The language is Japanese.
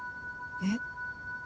えっ？